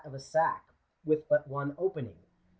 453 • of a sack with but one opening.